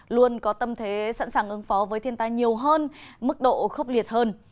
luôn có tâm thế sẵn sàng ứng phó với thiên tai nhiều hơn mức độ khốc liệt hơn